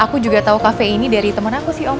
aku juga tahu kafe ini dari temen aku sih om